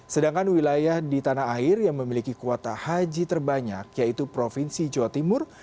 sedangkan wilayah di tanah air yang memiliki kuota haji terbanyak yaitu provinsi jawa timur